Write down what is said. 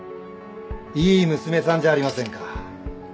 いい娘さんじゃありませんか。